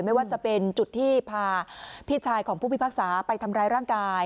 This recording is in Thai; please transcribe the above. ไม่ว่าจะเป็นจุดที่พาพี่ชายของผู้พิพากษาไปทำร้ายร่างกาย